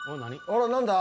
あら何だ？